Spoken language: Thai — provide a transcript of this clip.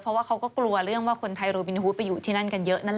เพราะว่าเขาก็กลัวเรื่องว่าคนไทยโรบินฮูดไปอยู่ที่นั่นกันเยอะนั่นแหละ